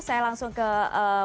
kita akan mulai